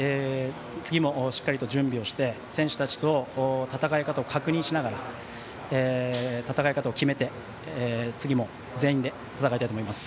次もしっかりと準備して選手たちと戦い方を確認しながら戦い方を決めて次も全員で戦いたいと思います。